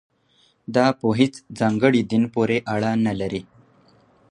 دا په هېڅ ځانګړي دین پورې اړه نه لري.